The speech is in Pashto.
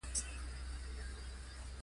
خو د یوې ځانګړې فرقې دیني لیدلوری متفاوت دی.